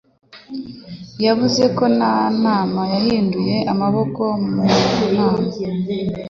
Yavuze ko nta nama yahinduye amaboko mu nama.